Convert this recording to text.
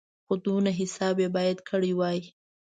خو دونه حساب یې باید کړی وای.